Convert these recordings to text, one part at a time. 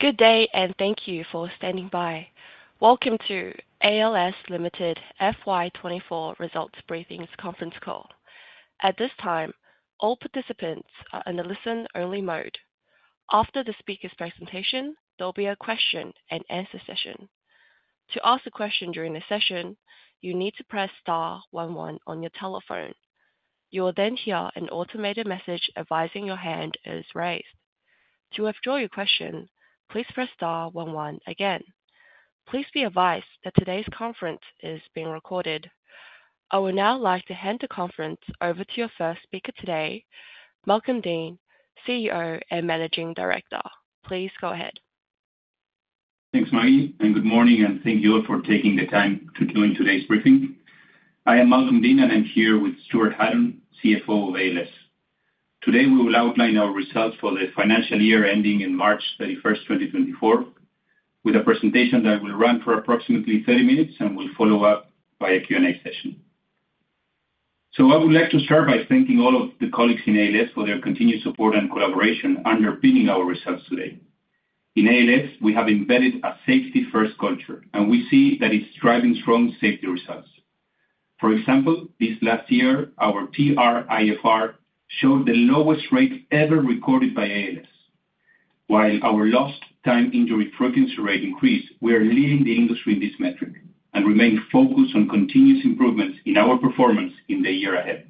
Good day, and thank you for standing by. Welcome to ALS Limited FY 2024 results briefing conference call. At this time, all participants are in a listen-only mode. After the speaker's presentation, there'll be a question and answer session. To ask a question during the session, you need to press star one one on your telephone. You will then hear an automated message advising your hand is raised. To withdraw your question, please press star one one again. Please be advised that today's conference is being recorded. I would now like to hand the conference over to your first speaker today, Malcolm Deane, CEO and Managing Director. Please go ahead. Thanks, Maggie, and good morning, and thank you all for taking the time to join today's briefing. I am Malcolm Deane, and I'm here with Stuart Hutton, CFO of ALS. Today, we will outline our results for the financial year ending March 31st, 2024, with a presentation that will run for approximately 30 minutes and will follow up by a Q&A session. I would like to start by thanking all of the colleagues in ALS for their continued support and collaboration underpinning our results today. In ALS, we have embedded a safety-first culture, and we see that it's driving strong safety results. For example, this last year, our TRIFR showed the lowest rate ever recorded by ALS. While our lost time injury frequency rate increased, we are leading the industry in this metric and remain focused on continuous improvements in our performance in the year ahead.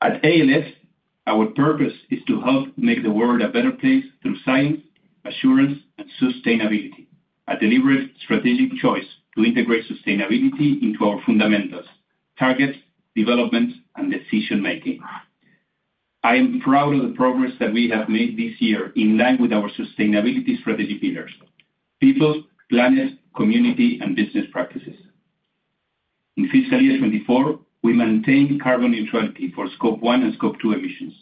At ALS, our purpose is to help make the world a better place through science, assurance, and sustainability, a deliberate strategic choice to integrate sustainability into our fundamentals, targets, development, and decision making. I am proud of the progress that we have made this year in line with our sustainability strategy pillars: people, planet, community, and business practices. In fiscal year 2024, we maintained carbon neutrality for Scope 1 and Scope 2 emissions,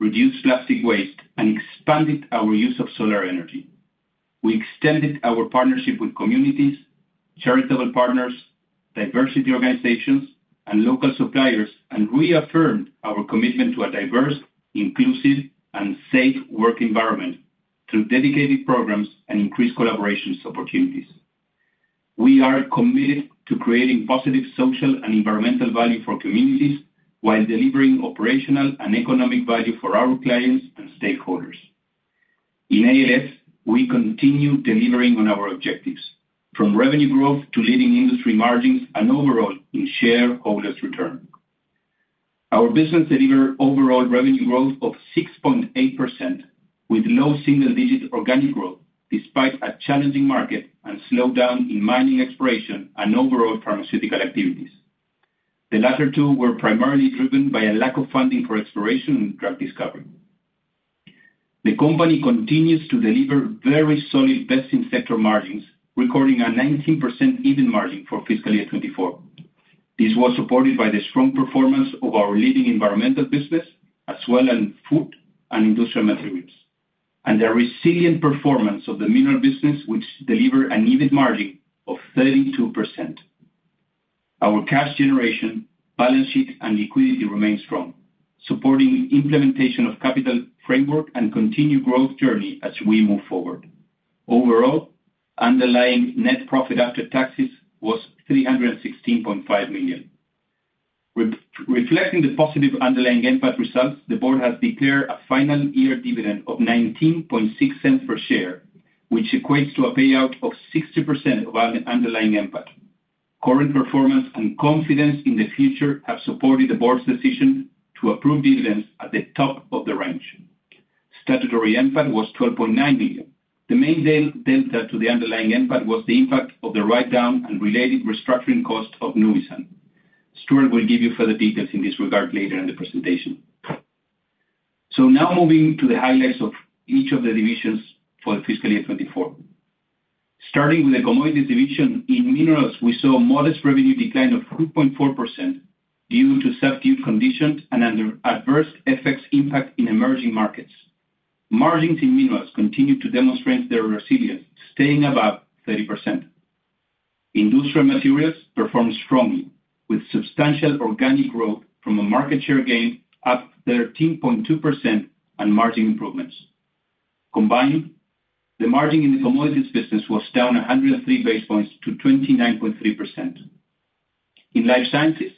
reduced plastic waste, and expanded our use of solar energy. We extended our partnership with communities, charitable partners, diversity organizations, and local suppliers, and reaffirmed our commitment to a diverse, inclusive, and safe work environment through dedicated programs and increased collaboration opportunities. We are committed to creating positive social and environmental value for communities while delivering operational and economic value for our clients and stakeholders. In ALS, we continue delivering on our objectives, from revenue growth to leading industry margins and overall in shareholders' return. Our business delivered overall revenue growth of 6.8%, with low single-digit organic growth, despite a challenging market and slowdown in mining exploration and overall pharmaceutical activities. The latter two were primarily driven by a lack of funding for exploration and drug discovery. The company continues to deliver very solid best-in-sector margins, recording a 19% EBIT margin for fiscal year 2024. This was supported by the strong performance of our leading environmental business, as well as food and industrial materials, and the resilient performance of the mineral business, which delivered an EBIT margin of 32%. Our cash generation, balance sheet, and liquidity remain strong, supporting implementation of capital framework and continued growth journey as we move forward. Overall, underlying NPAT was 316.5 million. Reflecting the positive underlying NPAT results, the board has declared a final year dividend of 0.196 per share, which equates to a payout of 60% of our underlying NPAT. Current performance and confidence in the future have supported the board's decision to approve dividends at the top of the range. Statutory NPAT was 12.9 million. The main delta to the underlying NPAT was the impact of the write-down and related restructuring cost of Nuvisan. Stuart will give you further details in this regard later in the presentation. So now moving to the highlights of each of the divisions for fiscal year 2024. Starting with the Commodities division, in minerals, we saw a modest revenue decline of 2.4% due to subdued conditions and under adverse FX impact in emerging markets. Margins in minerals continued to demonstrate their resilience, staying above 30%. Industrial materials performed strongly, with substantial organic growth from a market share gain up 13.2% and margin improvements. Combined, the margin in the Commodities business was down 103 basis points to 29.3%. In life sciences,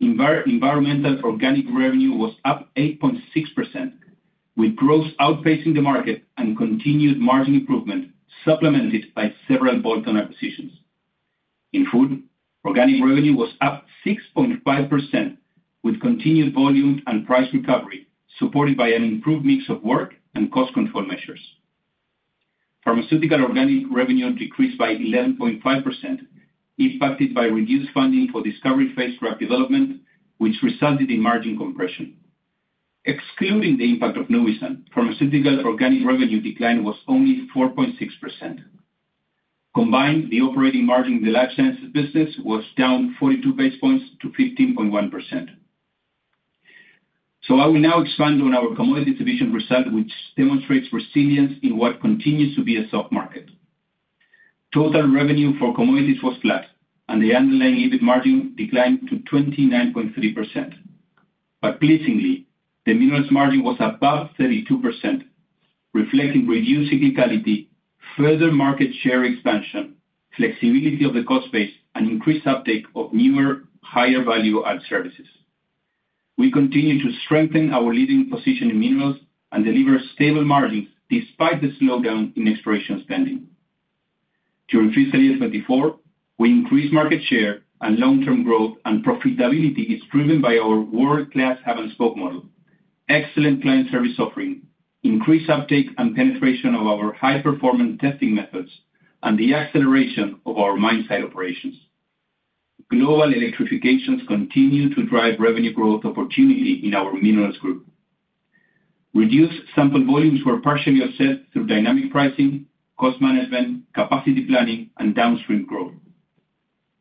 environmental organic revenue was up 8.6%, with growth outpacing the market and continued margin improvement, supplemented by several bolt-on acquisitions. In food, organic revenue was up 6.5%, with continued volume and price recovery, supported by an improved mix of work and cost control measures. Pharmaceutical organic revenue decreased by 11.5%, impacted by reduced funding for discovery phase drug development, which resulted in margin compression. Excluding the impact of Nuvisan, pharmaceutical organic revenue decline was only 4.6%. Combined, the operating margin in the life sciences business was down 42 basis points to 15.1%. So I will now expand on our Commodities division result, which demonstrates resilience in what continues to be a soft market.... Total revenue for commodities was flat, and the underlying EBIT margin declined to 29.3%. But pleasingly, the minerals margin was above 32%, reflecting reduced cyclicality, further market share expansion, flexibility of the cost base, and increased uptake of newer, higher-value add services. We continue to strengthen our leading position in minerals and deliver stable margins despite the slowdown in exploration spending. During fiscal year 2024, we increased market share and long-term growth, and profitability is driven by our world-class hub and spoke model, excellent client service offering, increased uptake and penetration of our high-performance testing methods, and the acceleration of our mine site operations. Global electrifications continue to drive revenue growth opportunity in our minerals group. Reduced sample volumes were partially offset through dynamic pricing, cost management, capacity planning, and downstream growth.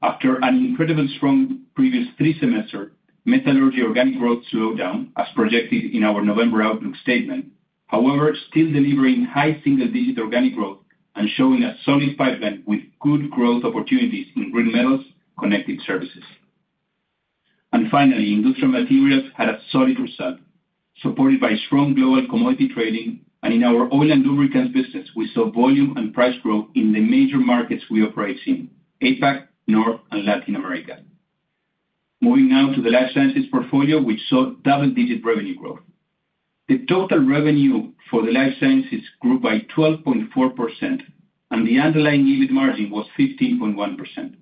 After an incredibly strong previous three semesters, metallurgy organic growth slowed down, as projected in our November outlook statement. However, still delivering high single-digit organic growth and showing a solid pipeline with good growth opportunities in green metals, connected services. Finally, industrial materials had a solid result, supported by strong global commodity trading, and in our oil and lubricants business, we saw volume and price growth in the major markets we operate in, APAC, North, and Latin America. Moving now to the life sciences portfolio, which saw double-digit revenue growth. The total revenue for the life sciences grew by 12.4%, and the underlying EBIT margin was 15.1%.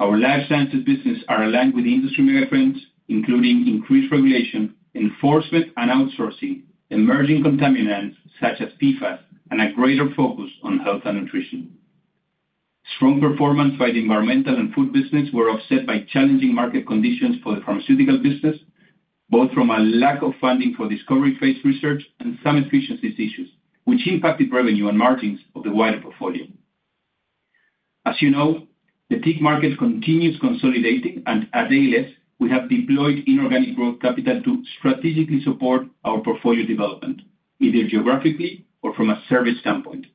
Our life sciences business are aligned with industry megatrends, including increased regulation, enforcement, and outsourcing, emerging contaminants such as PFAS, and a greater focus on health and nutrition. Strong performance by the environmental and food business were offset by challenging market conditions for the pharmaceutical business, both from a lack of funding for discovery-phase research and some efficiency issues, which impacted revenue and margins of the wider portfolio. As you know, the TIC market continues consolidating, and at ALS, we have deployed inorganic growth capital to strategically support our portfolio development, either geographically or from a service standpoint.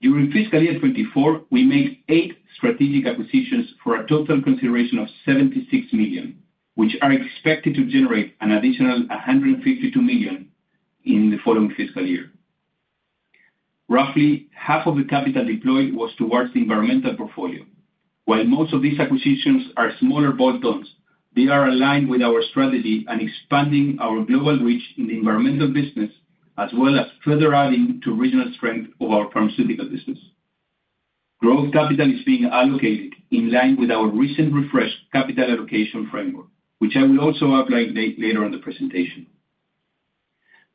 During fiscal year 2024, we made 8 strategic acquisitions for a total consideration of 76 million, which are expected to generate an additional 152 million in the following fiscal year. Roughly half of the capital deployed was towards the environmental portfolio. While most of these acquisitions are smaller bolt-ons, they are aligned with our strategy and expanding our global reach in the environmental business, as well as further adding to regional strength of our pharmaceutical business. Growth capital is being allocated in line with our recent refreshed capital allocation framework, which I will also outline later in the presentation.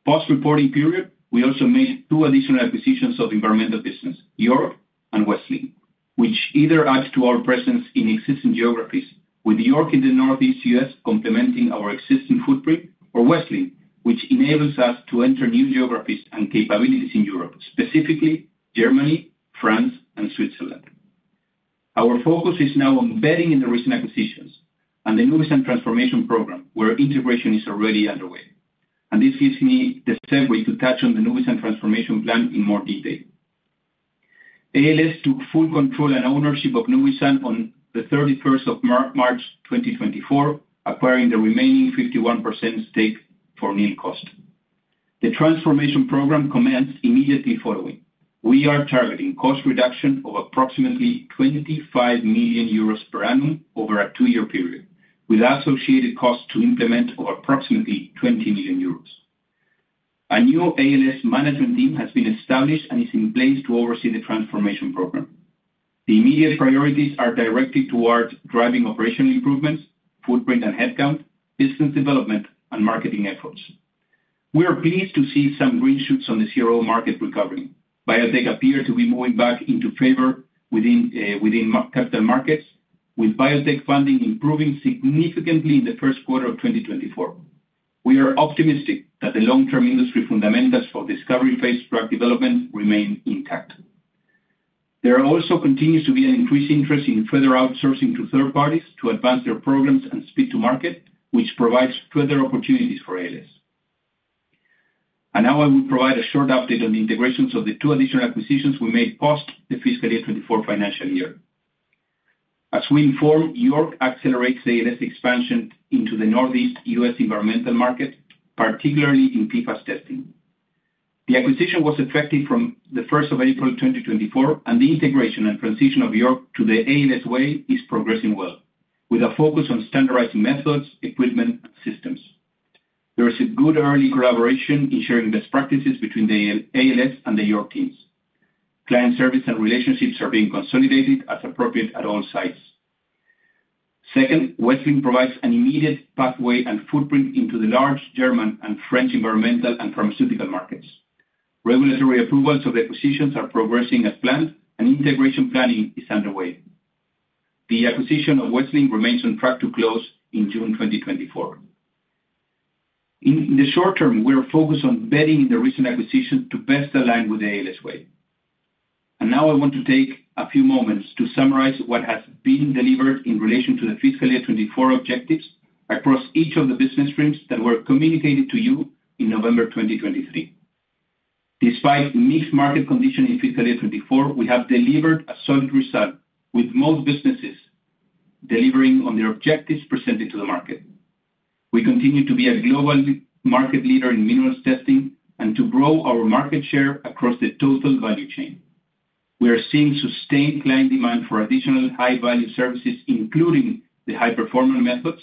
Post-reporting period, we also made 2 additional acquisitions of environmental business, York and Wessling, which either add to our presence in existing geographies, with York in the Northeast U.S. complementing our existing footprint, or Wessling, which enables us to enter new geographies and capabilities in Europe, specifically Germany, France, and Switzerland. Our focus is now on embedding in the recent acquisitions and the Nuvisan transformation program, where integration is already underway. This gives me the segue to touch on the Nuvisan transformation plan in more detail. ALS took full control and ownership of Nuvisan on the 31st of March 2024, acquiring the remaining 51% stake for nil cost. The transformation program commenced immediately following. We are targeting cost reduction of approximately 25 million euros per annum over a 2-year period, with associated costs to implement of approximately 20 million euros. A new ALS management team has been established and is in place to oversee the transformation program. The immediate priorities are directed towards driving operational improvements, footprint and headcount, business development, and marketing efforts. We are pleased to see some green shoots on the CRO market recovery. Biotech appear to be moving back into favor within capital markets, with biotech funding improving significantly in the first quarter of 2024. We are optimistic that the long-term industry fundamentals for discovery phase drug development remain intact. There also continues to be an increased interest in further outsourcing to third parties to advance their programs and speed to market, which provides further opportunities for ALS. Now I will provide a short update on the integrations of the two additional acquisitions we made post the fiscal year 2024 financial year. As we informed, York accelerates the ALS expansion into the Northeast US environmental market, particularly in PFAS testing. The acquisition was effective from the first of April 2024, and the integration and transition of York to the ALS Way is progressing well, with a focus on standardizing methods, equipment, and systems. There is a good early collaboration in sharing best practices between the ALS and the York teams. Client service and relationships are being consolidated as appropriate at all sites. Second, Wessling provides an immediate pathway and footprint into the large German and French environmental and pharmaceutical markets. Regulatory approvals of the acquisitions are progressing as planned and integration planning is underway. The acquisition of Wessling remains on track to close in June 2024. In the short term, we are focused on embedding the recent acquisition to best align with the ALS Way. Now I want to take a few moments to summarize what has been delivered in relation to the fiscal year 2024 objectives across each of the business streams that were communicated to you in November 2023. Despite mixed market conditions in fiscal year 2024, we have delivered a solid result, with most businesses delivering on their objectives presented to the market. We continue to be a global market leader in minerals testing, and to grow our market share across the total value chain. We are seeing sustained client demand for additional high-value services, including the high performing methods.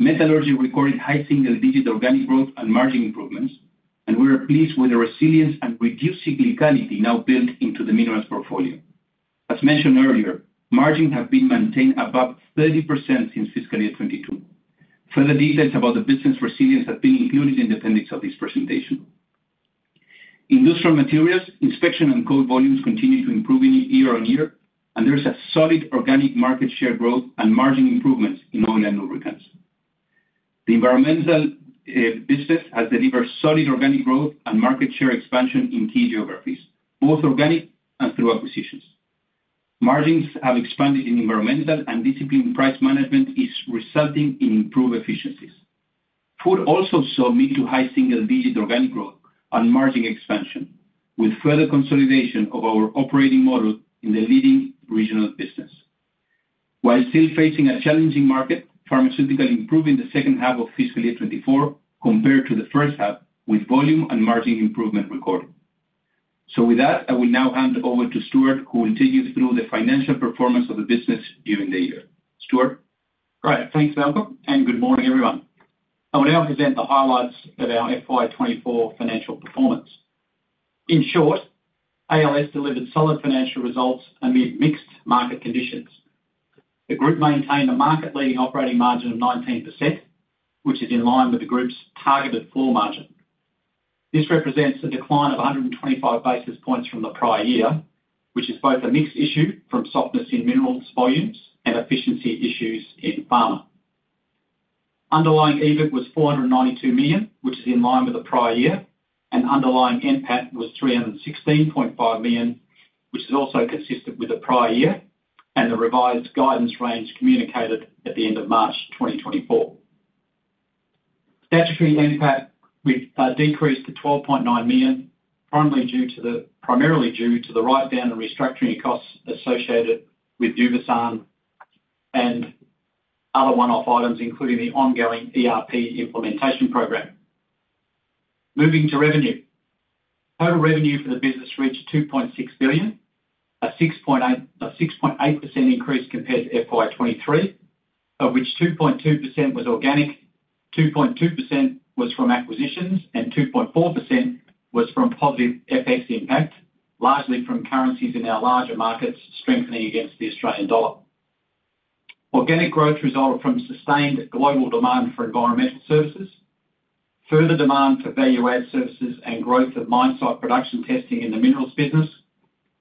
Metallurgy recorded high single-digit organic growth and margin improvements, and we are pleased with the resilience and reduced cyclicality now built into the minerals portfolio. As mentioned earlier, margins have been maintained above 30% since fiscal year 2022. Further details about the business resilience have been included in the appendix of this presentation. Industrial materials, inspection and coal volumes continue to improve year-on-year, and there is a solid organic market share growth and margin improvements in all end markets. The environmental business has delivered solid organic growth and market share expansion in key geographies, both organic and through acquisitions. Margins have expanded in environmental, and disciplined price management is resulting in improved efficiencies. Food also saw mid- to high-single-digit organic growth and margin expansion, with further consolidation of our operating model in the leading regional business. While still facing a challenging market, pharmaceutical improved in the second half of fiscal year 2024 compared to the first half, with volume and margin improvement recorded. With that, I will now hand over to Stuart, who will take you through the financial performance of the business during the year. Stuart? Great. Thanks, Malcolm, and good morning, everyone. I will now present the highlights of our FY 2024 financial performance. In short, ALS delivered solid financial results amid mixed market conditions. The group maintained a market-leading operating margin of 19%, which is in line with the group's targeted floor margin. This represents a decline of 125 basis points from the prior year, which is both a mixed issue from softness in minerals volumes and efficiency issues in pharma. Underlying EBIT was 492 million, which is in line with the prior year, and underlying NPAT was 316.5 million, which is also consistent with the prior year, and the revised guidance range communicated at the end of March 2024. Statutory NPAT decreased to 12.9 million, primarily due to the write-down and restructuring costs associated with Nuvisan and other one-off items, including the ongoing ERP implementation program. Moving to revenue. Total revenue for the business reached 2.6 billion, a 6.8, a 6.8% increase compared to FY 2023, of which 2.2% was organic, 2.2% was from acquisitions, and 2.4% was from positive FX impact, largely from currencies in our larger markets strengthening against the Australian dollar. Organic growth resulted from sustained global demand for environmental services, further demand for value-add services, and growth of mine site production testing in the minerals business,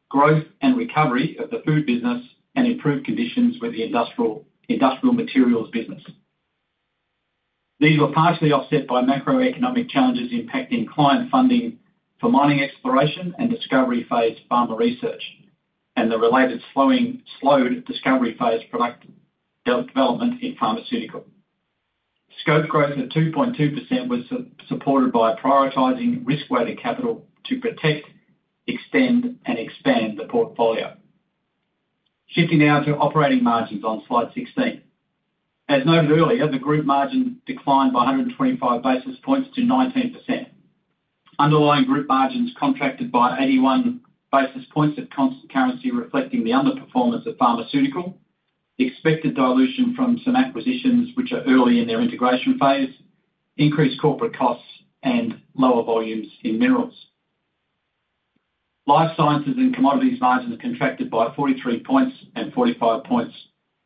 growth and recovery of the food business, and improved conditions with the industrial materials business. These were partially offset by macroeconomic challenges impacting client funding for mining exploration and discovery phase pharma research, and the related slowed discovery phase product development in pharmaceutical. Organic growth of 2.2% was supported by prioritizing risk-weighted capital to protect, extend, and expand the portfolio. Shifting now to operating margins on slide 16. As noted earlier, the group margin declined by 125 basis points to 19%. Underlying group margins contracted by 81 basis points at constant currency, reflecting the underperformance of pharmaceutical, the expected dilution from some acquisitions which are early in their integration phase, increased corporate costs, and lower volumes in minerals. Life sciences and commodities margins contracted by 43 points and 45 points,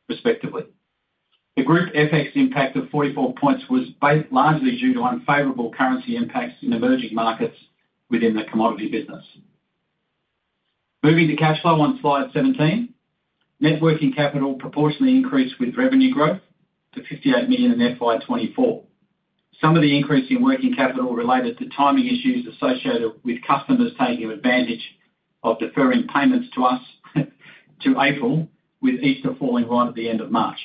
respectively. The group FX impact of 44 points was based largely due to unfavorable currency impacts in emerging markets within the commodity business. Moving to cash flow on slide 17, net working capital proportionately increased with revenue growth to 58 million in FY 2024. Some of the increase in working capital related to timing issues associated with customers taking advantage of deferring payments to us to April, with Easter falling right at the end of March.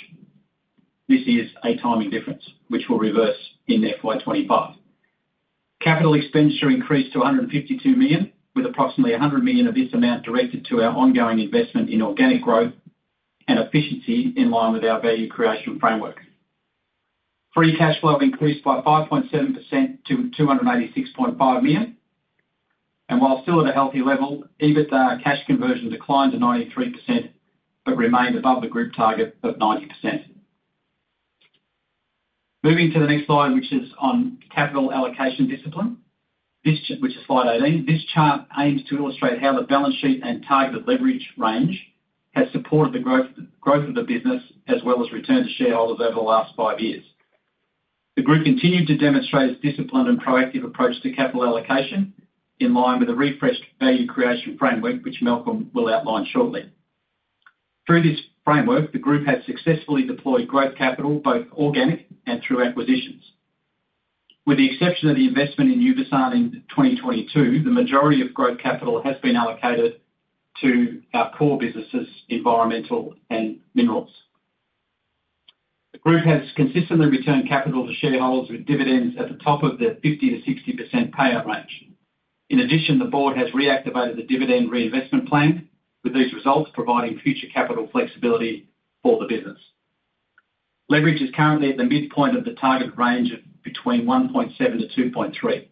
This is a timing difference, which will reverse in FY 2025. Capital expenditure increased to 152 million, with approximately 100 million of this amount directed to our ongoing investment in organic growth and efficiency, in line with our value creation framework. Free cash flow increased by 5.7% to 286.5 million. While still at a healthy level, EBITDA cash conversion declined to 93%, but remained above the group target of 90%. Moving to the next slide, which is on capital allocation discipline. This, which is slide 18, this chart aims to illustrate how the balance sheet and targeted leverage range has supported the growth of the business, as well as return to shareholders over the last five years. The group continued to demonstrate a disciplined and proactive approach to capital allocation, in line with the refreshed value creation framework, which Malcolm will outline shortly. Through this framework, the group has successfully deployed growth capital, both organic and through acquisitions. With the exception of the investment in Nuvisan in 2022, the majority of growth capital has been allocated to our core businesses, environmental and minerals. The group has consistently returned capital to shareholders with dividends at the top of the 50%-60% payout range. In addition, the board has reactivated the dividend reinvestment plan, with these results providing future capital flexibility for the business. Leverage is currently at the midpoint of the target range of between 1.7-2.3.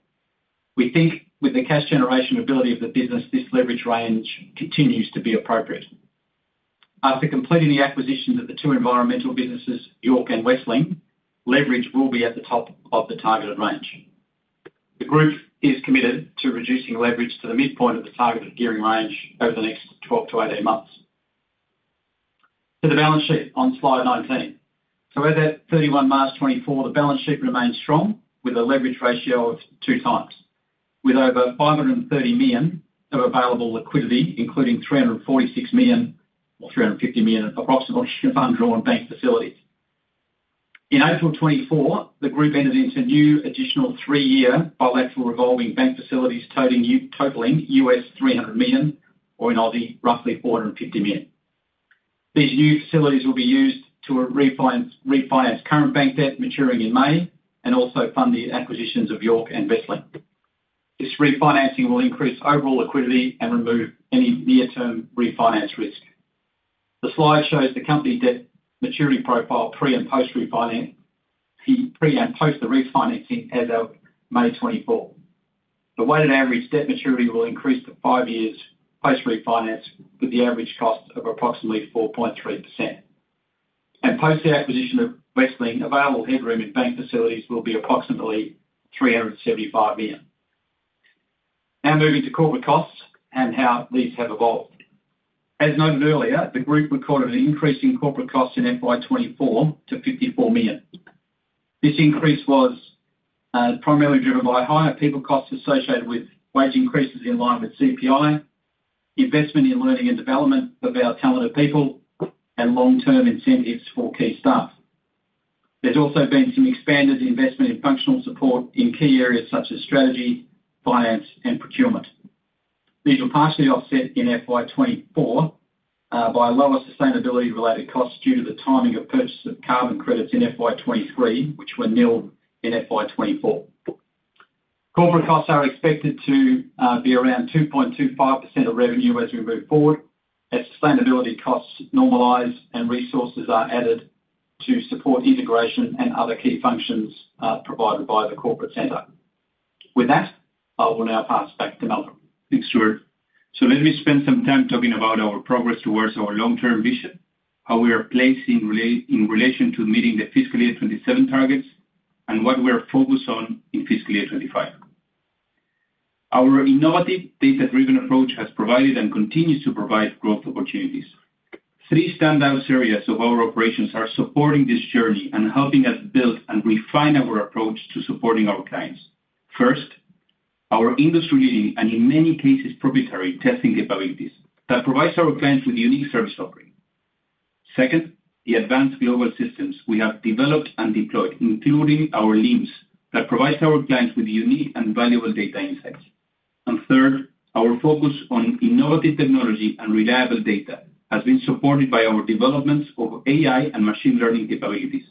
We think with the cash generation ability of the business, this leverage range continues to be appropriate. After completing the acquisitions of the two environmental businesses, York and Wessling, leverage will be at the top of the targeted range. The group is committed to reducing leverage to the midpoint of the targeted gearing range over the next 12-18 months. To the balance sheet on slide 19. So as at 31 March 2024, the balance sheet remains strong, with a leverage ratio of 2x, with over 530 million of available liquidity, including 346 million, or approximately 350 million of undrawn bank facilities. In April 2024, the group entered into new additional three-year bilateral revolving bank facilities totaling $300 million, or in Aussie, roughly 450 million. These new facilities will be used to refinance current bank debt maturing in May, and also fund the acquisitions of York and Wessling. This refinancing will increase overall liquidity and remove any near-term refinance risk. The slide shows the company debt maturity profile pre- and post-refinance, pre- and post- the refinancing as of May 2024. The weighted average debt maturity will increase to 5 years post-refinance, with the average cost of approximately 4.3%. Post the acquisition of Wessling, available headroom in bank facilities will be approximately 375 million. Now moving to corporate costs and how these have evolved. As noted earlier, the group recorded an increase in corporate costs in FY 2024 to 54 million. This increase was, primarily driven by higher people costs associated with wage increases in line with CPI, investment in learning and development of our talented people, and long-term incentives for key staff. There's also been some expanded investment in functional support in key areas such as strategy, finance, and procurement. These were partially offset in FY 2024, by lower sustainability-related costs due to the timing of purchase of carbon credits in FY 2023, which were nil in FY 2024. Corporate costs are expected to, be around 2.25% of revenue as we move forward, as sustainability costs normalize and resources are added to support integration and other key functions, provided by the corporate center. With that, I will now pass back to Malcolm. Thanks, Stuart. So let me spend some time talking about our progress towards our long-term vision, how we are placing in relation to meeting the fiscal year 27 targets, and what we are focused on in fiscal year 25. Our innovative, data-driven approach has provided and continues to provide growth opportunities. Three standout areas of our operations are supporting this journey and helping us build and refine our approach to supporting our clients. First, our industry-leading, and in many cases, proprietary testing capabilities that provides our clients with unique service offering. Second, the advanced global systems we have developed and deployed, including our LIMS, that provides our clients with unique and valuable data insights. And third, our focus on innovative technology and reliable data has been supported by our developments of AI and machine learning capabilities,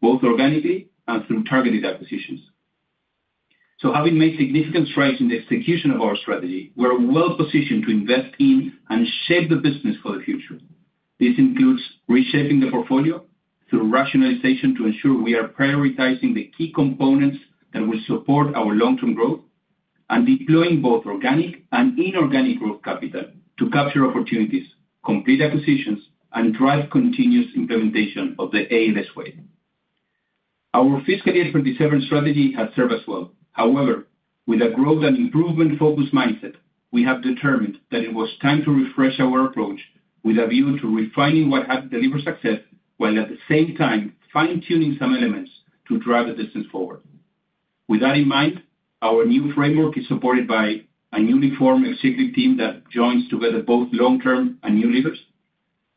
both organically and through targeted acquisitions. Having made significant strides in the execution of our strategy, we're well positioned to invest in and shape the business for the future. This includes reshaping the portfolio through rationalization to ensure we are prioritizing the key components that will support our long-term growth, and deploying both organic and inorganic growth capital to capture opportunities, complete acquisitions, and drive continuous implementation of the ALS way. Our fiscal year 27 strategy has served us well. However, with a growth and improvement-focused mindset, we have determined that it was time to refresh our approach with a view to refining what has delivered success, while at the same time fine-tuning some elements to drive the business forward. With that in mind, our new framework is supported by a uniform executive team that joins together both long-term and new leaders.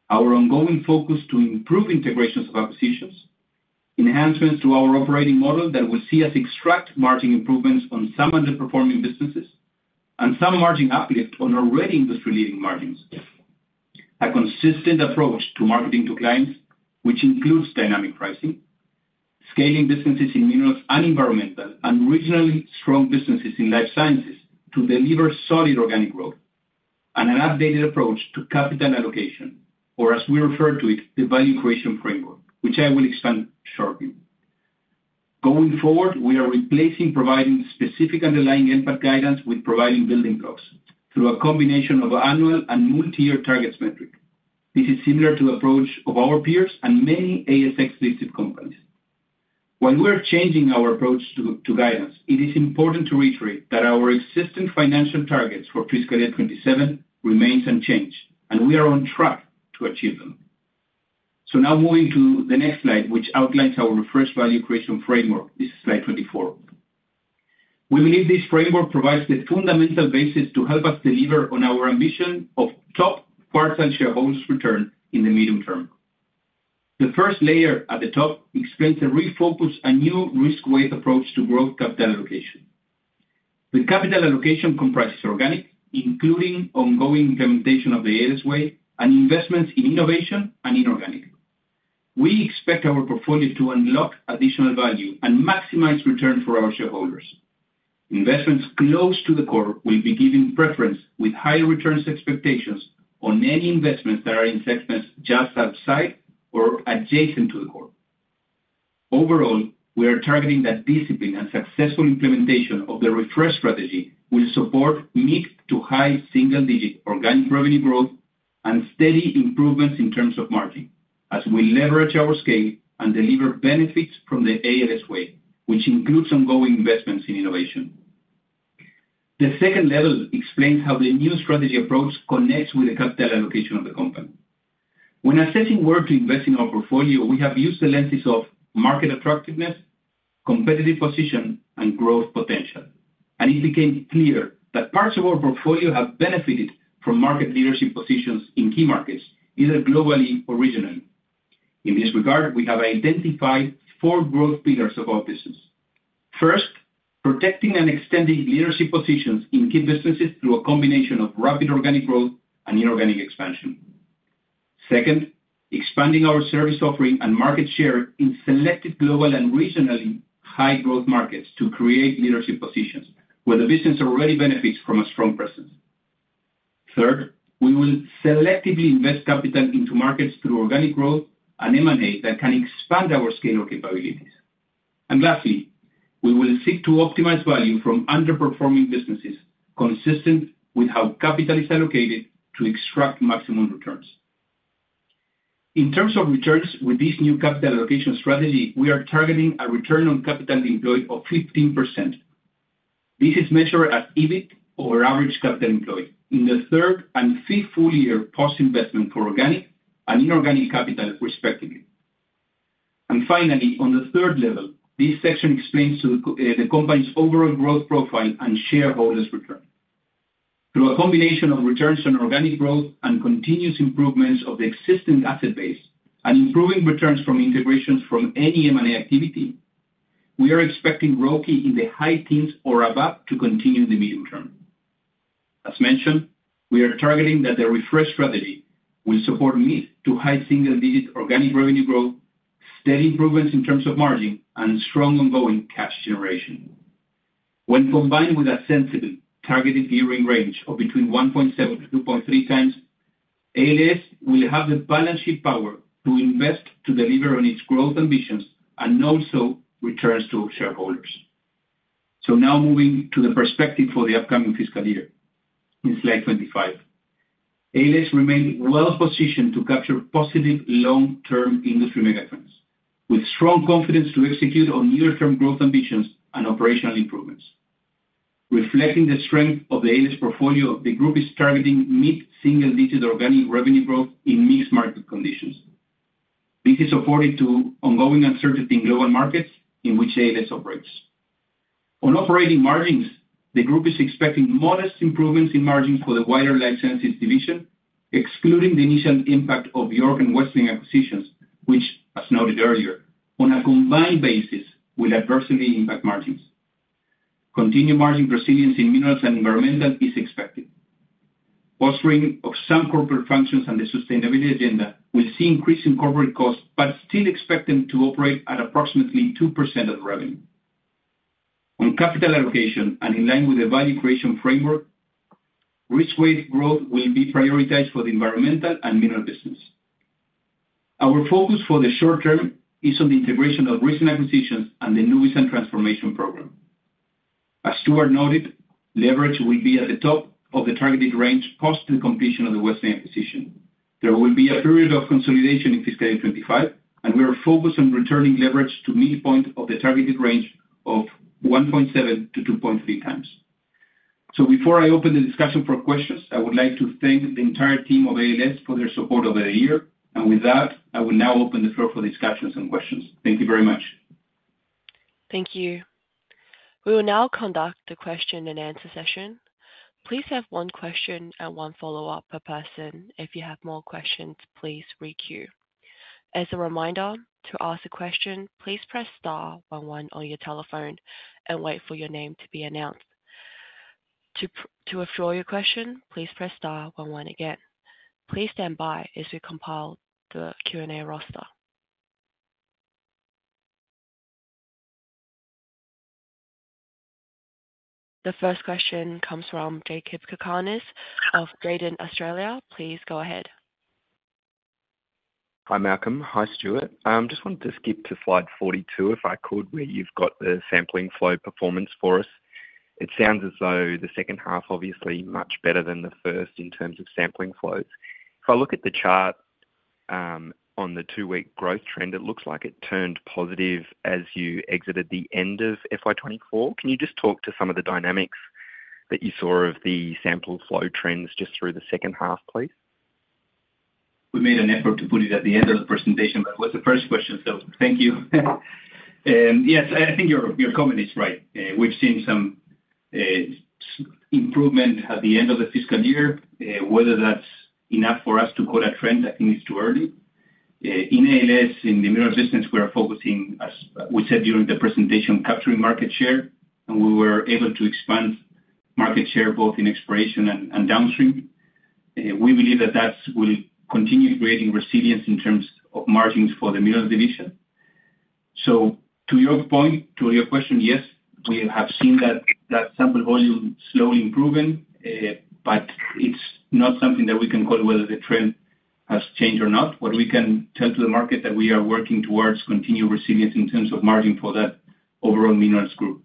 Our ongoing focus to improve integrations of acquisitions, enhancements to our operating model that will see us extract margin improvements on some underperforming businesses, and some margin uplift on already industry-leading margins. A consistent approach to marketing to clients, which includes dynamic pricing, scaling businesses in minerals and environmental, and regionally strong businesses in life sciences to deliver solid organic growth. An updated approach to capital allocation, or as we refer to it, the value creation framework, which I will expand shortly. Going forward, we are replacing providing specific underlying impact guidance with providing building blocks through a combination of annual and multi-year targets metric. This is similar to the approach of our peers and many ASX-listed companies. While we are changing our approach to guidance, it is important to reiterate that our existing financial targets for fiscal year 2027 remains unchanged, and we are on track to achieve them. So now moving to the next slide, which outlines our refreshed value creation framework. This is slide 24. We believe this framework provides the fundamental basis to help us deliver on our ambition of top quartile shareholders' return in the medium term. The first layer at the top explains the refocus and new risk-weight approach to growth capital allocation. The capital allocation comprises organic, including ongoing implementation of the ALS Way and investments in innovation and inorganic. We expect our portfolio to unlock additional value and maximize return for our shareholders. Investments close to the core will be given preference with higher returns expectations on any investments that are in segments just outside or adjacent to the core. Overall, we are targeting that discipline and successful implementation of the refresh strategy will support mid- to high single-digit organic revenue growth and steady improvements in terms of margin, as we leverage our scale and deliver benefits from the ALS Way, which includes ongoing investments in innovation. The second level explains how the new strategy approach connects with the capital allocation of the company. When assessing where to invest in our portfolio, we have used the lenses of market attractiveness, competitive position, and growth potential, and it became clear that parts of our portfolio have benefited from market leadership positions in key markets, either globally or regionally. In this regard, we have identified four growth pillars of our business. First, protecting and extending leadership positions in key businesses through a combination of rapid organic growth and inorganic expansion. Second, expanding our service offering and market share in selected global and regionally high-growth markets to create leadership positions, where the business already benefits from a strong presence. Third, we will selectively invest capital into markets through organic growth and M&A that can expand our scale or capabilities. And lastly, we will seek to optimize value from underperforming businesses, consistent with how capital is allocated to extract maximum returns. In terms of returns, with this new capital allocation strategy, we are targeting a return on capital employed of 15%. This is measured as EBIT or average capital employed in the third and fifth full year post-investment for organic and inorganic capital, respectively. Finally, on the third level, this section explains the company's overall growth profile and shareholders' return. Through a combination of returns on organic growth and continuous improvements of the existing asset base, and improving returns from integrations from any M&A activity, we are expecting ROCE in the high teens or above to continue in the medium term. As mentioned, we are targeting that the refresh strategy will support mid- to high single-digit organic revenue growth, steady improvements in terms of margin, and strong ongoing cash generation. When combined with a sensible targeted gearing range of between 1.7-2.3 times, ALS will have the balance sheet power to invest to deliver on its growth ambitions and also returns to shareholders. Now moving to the perspective for the upcoming fiscal year, in slide 25. ALS remains well positioned to capture positive long-term industry megatrends, with strong confidence to execute on near-term growth ambitions and operational improvements. Reflecting the strength of the ALS portfolio, the group is targeting mid-single-digit organic revenue growth in mixed market conditions. This is despite ongoing uncertainty in global markets in which ALS operates. On operating margins, the group is expecting modest improvements in margins for the wider Life Sciences division, excluding the initial impact of York and Wessling acquisitions, which, as noted earlier, on a combined basis, will adversely impact margins. Continued margin resiliency in Minerals and Environmental is expected. Positioning of some corporate functions and the sustainability agenda will see an increase in corporate costs, but still expect them to operate at approximately 2% of the revenue. On capital allocation and in line with the value creation framework, risk-weighted growth will be prioritized for the environmental and mineral business. Our focus for the short term is on the integration of recent acquisitions and the Nuvisan transformation program. As Stuart noted, leverage will be at the top of the targeted range post the completion of the Wessling acquisition. There will be a period of consolidation in fiscal year 2025, and we are focused on returning leverage to midpoint of the targeted range of 1.7-2.3 times. So before I open the discussion for questions, I would like to thank the entire team of ALS for their support over the year. And with that, I will now open the floor for discussions and questions. Thank you very much. Thank you. We will now conduct the question-and-answer session. Please have one question and one follow-up per person. If you have more questions, please requeue. As a reminder, to ask a question, please press star one one on your telephone and wait for your name to be announced. To withdraw your question, please press star one one again. Please stand by as we compile the Q&A roster. The first question comes from Jakob Cakarnis of Jarden Australia. Please go ahead. Hi, Malcolm. Hi, Stuart. Just wanted to skip to slide 42, if I could, where you've got the sampling flow performance for us. It sounds as though the second half, obviously, much better than the first in terms of sampling flows. If I look at the chart, on the two-week growth trend, it looks like it turned positive as you exited the end of FY 2024. Can you just talk to some of the dynamics that you saw of the sample flow trends just through the second half, please? We made an effort to put it at the end of the presentation, but it was the first question, so thank you. Yes, I think your comment is right. We've seen some improvement at the end of the fiscal year. Whether that's enough for us to call a trend, I think it's too early. In ALS, in the mineral business, we are focusing, as we said during the presentation, capturing market share, and we were able to expand market share both in exploration and downstream. We believe that that will continue creating resilience in terms of margins for the mineral division. So to your point, to your question, yes, we have seen that sample volume slowly improving, but it's not something that we can call whether the trend has changed or not. What we can tell to the market, that we are working towards continued resilience in terms of margin for that overall minerals group.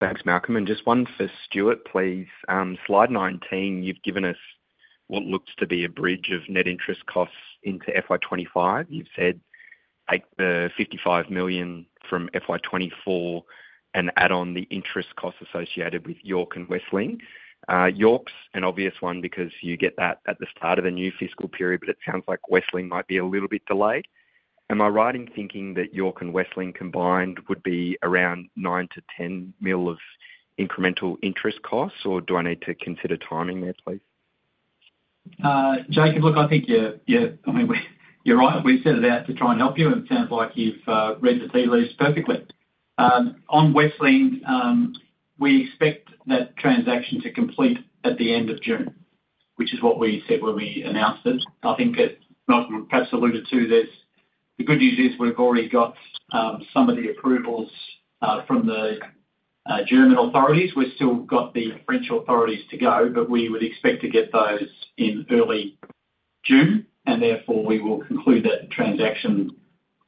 Thanks, Malcolm, and just one for Stuart, please. Slide 19, you've given us what looks to be a bridge of net interest costs into FY 2025. You've said, take the 55 million from FY 2024 and add on the interest costs associated with York and Wessling. York's an obvious one because you get that at the start of a new fiscal period, but it sounds like Wessling might be a little bit delayed. Am I right in thinking that York and Wessling combined would be around 9-10 million of incremental interest costs, or do I need to consider timing there, please? Jakob, look, I think you're, I mean, you're right. We set it out to try and help you, and it sounds like you've read the tea leaves perfectly. On Wessling, we expect that transaction to complete at the end of June, which is what we said when we announced it. I think that Malcolm perhaps alluded to this. The good news is we've already got some of the approvals from the German authorities. We've still got the French authorities to go, but we would expect to get those in early June, and therefore, we will conclude that transaction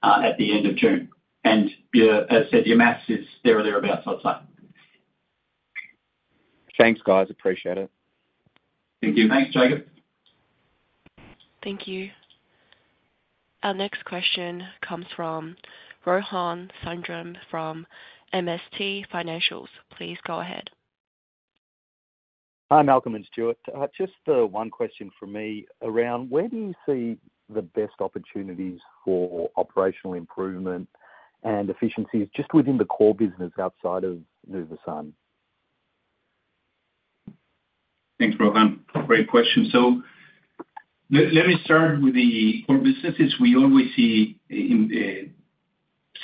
at the end of June. And, as I said, your maths is there or thereabouts, looks like. Thanks, guys. Appreciate it. Thank you. Thanks, Jakob. Thank you. Our next question comes from Rohan Sundram from MST Financial. Please go ahead. Hi, Malcolm and Stuart. Just, one question from me around: where do you see the best opportunities for operational improvement and efficiencies just within the core business outside of Nuvisan? Thanks, Rohan. Great question. So let me start with the core businesses. We always see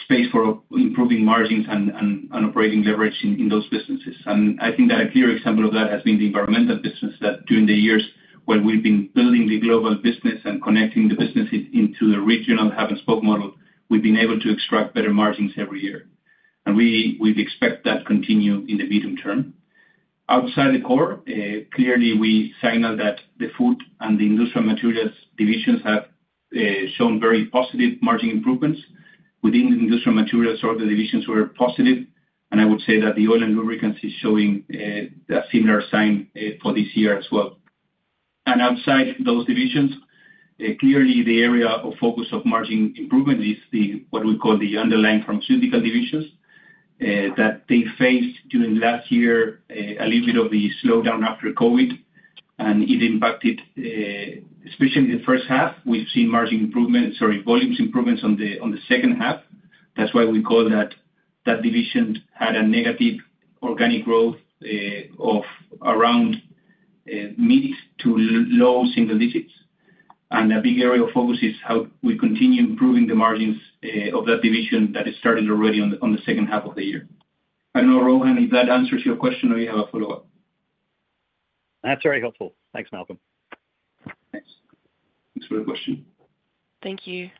space for improving margins and operating leverage in those businesses. And I think that a clear example of that has been the environmental business, that during the years where we've been building the global business and connecting the businesses into the regional hub and spoke model, we've been able to extract better margins every year. And we, we'd expect that to continue in the medium term. Outside the core, clearly we signal that the food and the industrial materials divisions have shown very positive margin improvements. Within the industrial materials, all the divisions were positive, and I would say that the oil and lubricants is showing a similar sign for this year as well. Outside those divisions, clearly the area of focus of margin improvement is what we call the underlying pharmaceutical divisions that they faced during last year, a little bit of the slowdown after COVID, and it impacted, especially in the first half. We've seen margin improvements, sorry, volumes improvements on the second half. That's why we call that that division had a negative organic growth of around mid- to low single digits. And a big area of focus is how we continue improving the margins of that division that has started already on the second half of the year. I don't know, Rohan, if that answers your question, or you have a follow-up? That's very helpful. Thanks, Malcolm. Thanks. Thanks for the question. Thank you.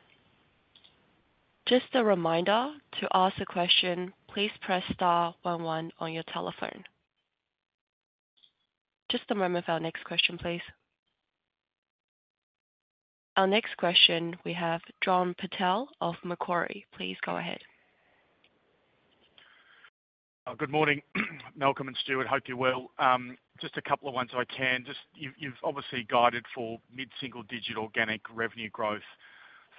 Just a reminder, to ask a question, please press star one one on your telephone. Just a moment for our next question, please. Our next question, we have John Purtell of Macquarie. Please go ahead. Good morning, Malcolm and Stuart, hope you're well. Just a couple of ones I can. Just you've obviously guided for mid-single digit organic revenue growth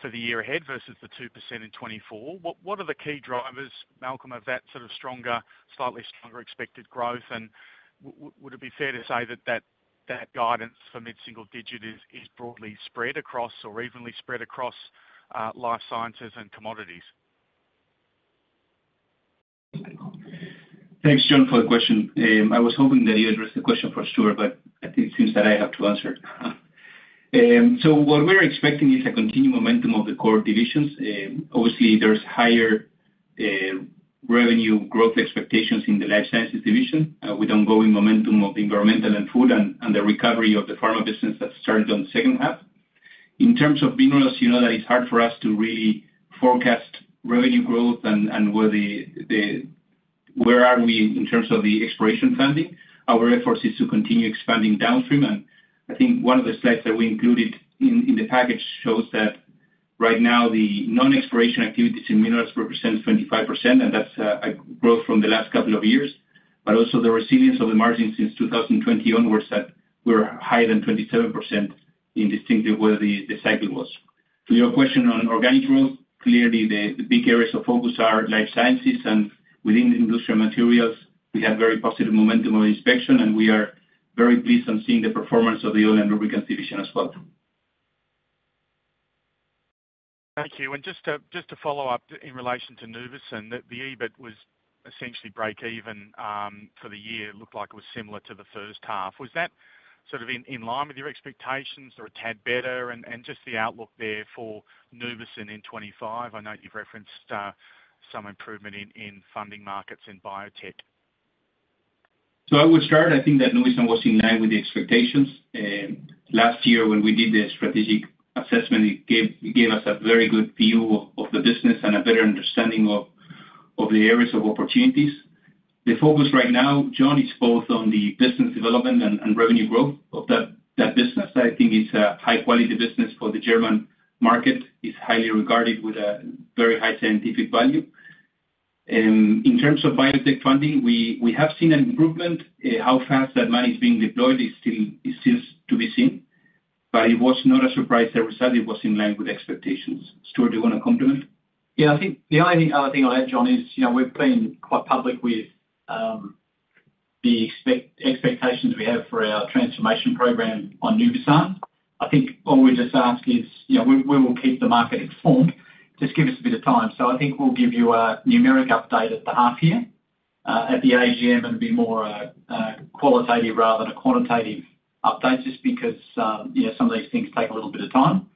for the year ahead versus the 2% in 2024. What are the key drivers, Malcolm, of that sort of stronger, slightly stronger expected growth, and would it be fair to say that that guidance for mid-single digit is broadly spread across or evenly spread across life sciences and commodities? Thanks, John, for the question. I was hoping that you'd address the question for Stuart, but I think it seems that I have to answer. So what we're expecting is a continued momentum of the core divisions. Obviously, there's higher revenue growth expectations in the life sciences division, with ongoing momentum of environmental and food and the recovery of the pharma business that started in the second half. In terms of minerals, you know that it's hard for us to really forecast revenue growth and where we are in terms of the exploration funding. Our effort is to continue expanding downstream, and I think one of the slides that we included in the package shows that right now the non-exploration activities in minerals represents 25%, and that's a growth from the last couple of years. But also the resilience of the margin since 2021 were set were higher than 27%, irrespective where the, the cycle was. To your question on organic growth, clearly the big areas of focus are life sciences, and within the industrial materials, we have very positive momentum on inspection, and we are very pleased on seeing the performance of the oil and lubricants division as well.... Thank you. And just to, just to follow up in relation to Nuvisan, that the EBIT was essentially breakeven for the year. It looked like it was similar to the first half. Was that sort of in, in line with your expectations or a tad better? And, and just the outlook there for Nuvisan in 2025. I know you've referenced some improvement in, in funding markets in biotech. So I would start. I think that Nuvisan was in line with the expectations. Last year when we did the strategic assessment, it gave us a very good view of the business and a better understanding of the areas of opportunities. The focus right now, John, is both on the business development and revenue growth of that business. I think it's a high quality business for the German market. It's highly regarded with a very high scientific value. In terms of biotech funding, we have seen an improvement. How fast that money is being deployed is still to be seen, but it was not a surprise result. It was in line with expectations. Stuart, do you wanna comment? Yeah, I think the only other thing I'll add, John, is, you know, we've been quite public with the expectations we have for our transformation program on Nuvisan. I think what we just ask is, you know, we will keep the market informed. Just give us a bit of time. So I think we'll give you a numeric update at the half year, at the AGM, and be more qualitative rather than a quantitative update, just because, you know, some of these things take a little bit of time.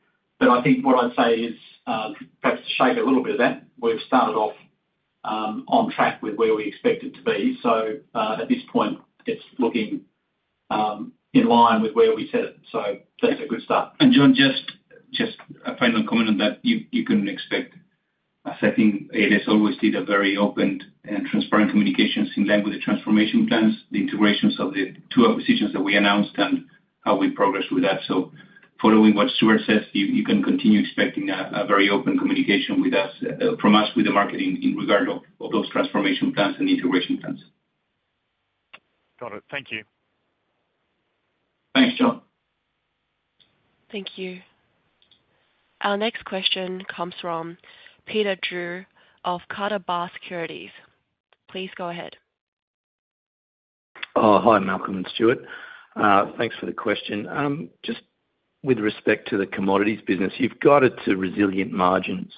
But I think what I'd say is, perhaps to shape a little bit of that, we've started off on track with where we expected to be. So, at this point, it's looking in line with where we set it. So that's a good start. John, just a final comment on that. You can expect... I think ALS always did a very open and transparent communications in line with the transformation plans, the integrations of the two acquisitions that we announced and how we progress with that. Following what Stuart says, you can continue expecting a very open communication with us, from us with the market in regard of those transformation plans and integration plans. Got it. Thank you. Thanks, John. Thank you. Our next question comes from Peter Drew of Carter Bar Securities. Please go ahead. Hi, Malcolm and Stuart. Thanks for the question. Just with respect to the commodities business, you've guided to resilient margins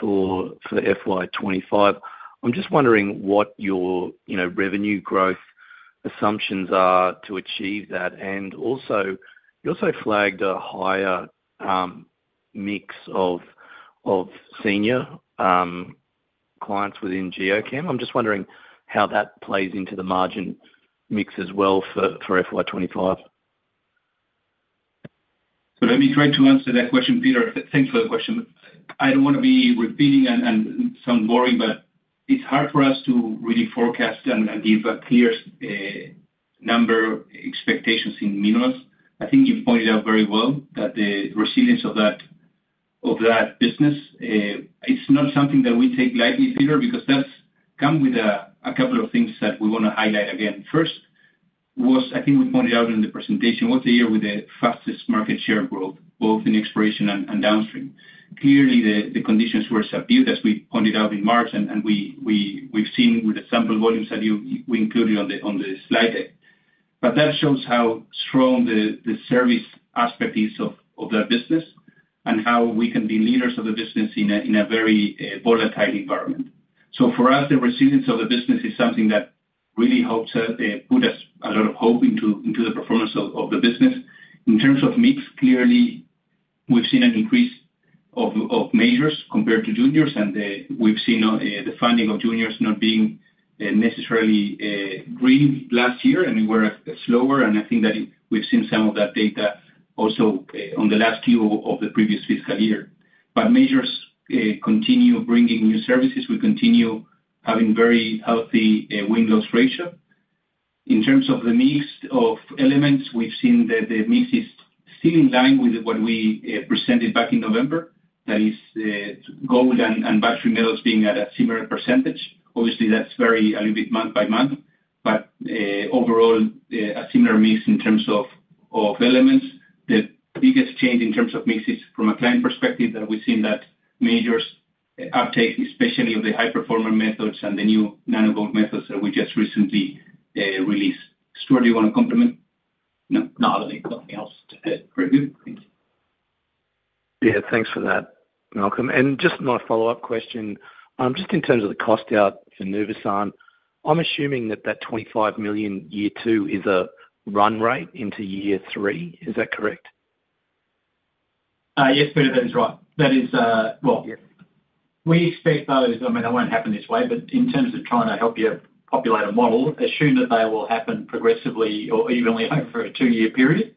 for FY 25. I'm just wondering what your, you know, revenue growth assumptions are to achieve that. And also, you also flagged a higher mix of senior clients within Geochem. I'm just wondering how that plays into the margin mix as well for FY 25. So let me try to answer that question, Peter. Thanks for the question. I don't wanna be repeating and sounding boring, but it's hard for us to really forecast and give a clear number expectations in minerals. I think you've pointed out very well that the resilience of that business, it's not something that we take lightly, Peter, because that's come with a couple of things that we wanna highlight again. First, was I think we pointed out in the presentation, was the year with the fastest market share growth, both in exploration and downstream. Clearly, the conditions were subdued, as we pointed out in March, and we, we've seen with the sample volumes that we included on the slide deck. But that shows how strong the service aspect is of that business, and how we can be leaders of the business in a very volatile environment. So for us, the resilience of the business is something that really helps put us a lot of hope into the performance of the business. In terms of mix, clearly we've seen an increase of majors compared to juniors, and we've seen the funding of juniors not being necessarily green last year, and were slower. And I think that we've seen some of that data also on the last quarter of the previous fiscal year. But majors continue bringing new services. We continue having very healthy win-loss ratio. In terms of the mix of elements, we've seen that the mix is still in line with what we presented back in November. That is, gold and battery metals being at a similar percentage. Obviously, that's very a little bit month by month, but overall, a similar mix in terms of elements. The biggest change in terms of mix is from a client perspective, that we've seen that majors uptake, especially of the high performer methods and the new Uncertain that we just recently released. Stuart, do you want to compliment? No, not really. Nothing else to add. Review, please. Yeah, thanks for that, Malcolm. Just my follow-up question, just in terms of the cost out for Nuvisan, I'm assuming that that 25 million year two is a run rate into year three. Is that correct? Yes, Peter, that is right. That is, well, we expect those, I mean, it won't happen this way, but in terms of trying to help you populate a model, assume that they will happen progressively or evenly over a two-year period,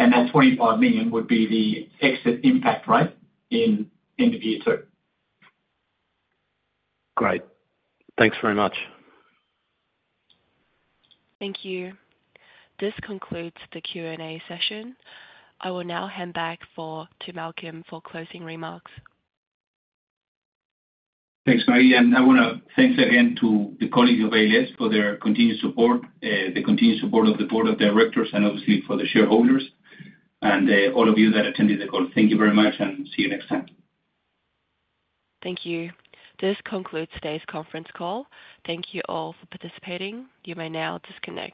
and that 25 million would be the exit impact rate in end of year two. Great. Thanks very much. Thank you. This concludes the Q&A session. I will now hand back over to Malcolm for closing remarks. Thanks, Marie, and I wanna thank again to the colleagues of ALS for their continued support, the continued support of the board of directors, and obviously for the shareholders, and, all of you that attended the call. Thank you very much, and see you next time. Thank you. This concludes today's conference call. Thank you all for participating. You may now disconnect.